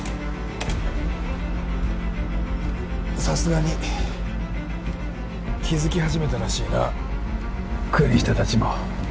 さすがに気付き始めたらしいな国下たちも。